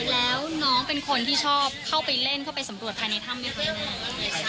ปกติแล้วน้องเป็นคนที่ชอบเข้าไปเล่นเข้าไปสำรวจภายในถ้ำนี่ของน้อง